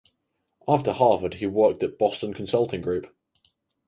After "Harvard" he worked at Boston Consulting Group.